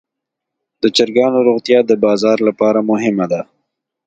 د چرګانو روغتیا د بازار لپاره مهمه ده.